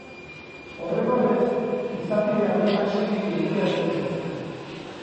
Horren ordez, izapide arruntak soilik egitea nahi dute.